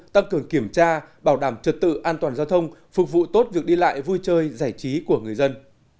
tăng cường kiểm tra bảo đảm trật tự an toàn giao thông phục vụ tốt việc đi lại vui chơi giải trí của người dân